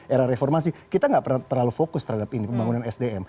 era reformasi kita nggak pernah terlalu fokus terhadap ini pembangunan sdm